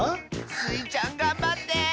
スイちゃんがんばって！